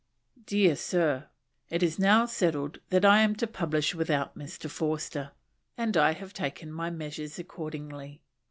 Dear Sir, It is now settled that I am to publish without Mr. Forster, and I have taken my measures accordingly.